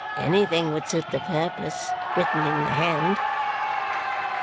Anything would suit the purpose, written in the hand."